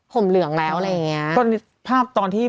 ผมเหลืองแล้วอะไรอย่างนี้